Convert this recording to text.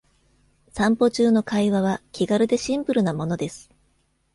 散歩中の会話は気軽でシンプルなものです。